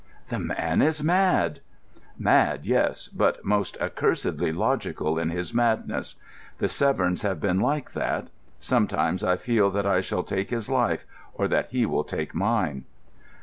"The man is mad!" "Mad, yes, but most accursedly logical in his madness. The Severns have been like that. Sometimes I feel that I shall take his life, or that he will take mine."